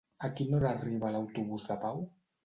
A quina hora arriba l'autobús de Pau?